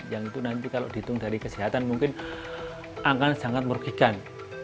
yang itu nanti kalau dihitung dari kesehatan mungkin akan sangat merugikan